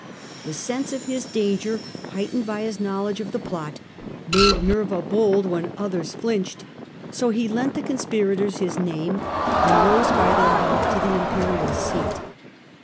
The sense of his danger, heightened by his know ledge of the plot, made Nerva bold when others flinched ; so he lent the conspirators his name, and rose by their help to the imperial seat.